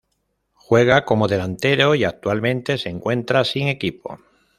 Juega como delantero y actualmente se encuentra sin equipo.